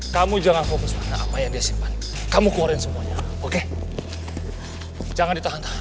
kamu jangan fokus kamu keluarin semuanya oke jangan ditahan tahan